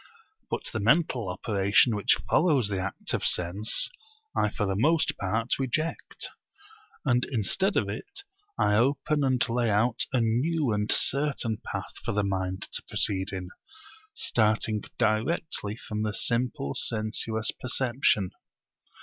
But the mental operation which follows the act of sense I for the most part reject; and instead of it I open and lay out a new and certain path for the mind to proceed in, starting directly from the simple sensuous perception.